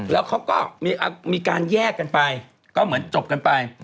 แล้วเขาก็มีการแยกกันไปก็เหมือนจบกันไป